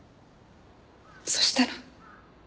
そしたら。